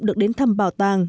được đến thăm bảo tàng